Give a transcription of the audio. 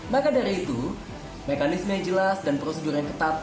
maka dari itu mekanisme yang jelas dan prosedur yang ketat